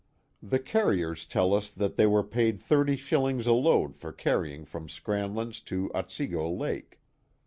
—The carriers tell us that they were paid 30 shillings a load for carrying from Scramlin's to Otsego Lake."